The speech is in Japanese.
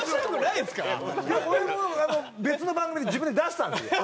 いや俺も別の番組で自分で出したんですよ。